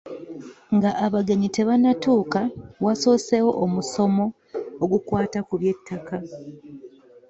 Nga abagenyi tebannatuuka, waasoseewo omusomo ogukwata ku by'ettaka.